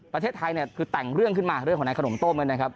ประเทศไทยเนี่ยคือแต่งเรื่องขึ้นมาเรื่องของในขนมต้มนะครับ